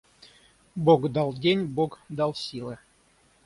Бог дал день, Бог дал силы.